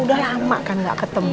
udah lama kan gak ketemu